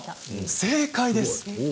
正解です。